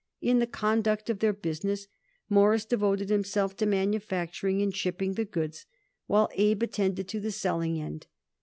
In the conduct of their business Morris devoted himself to manufacturing and shipping the goods, while Abe attended to the selling end.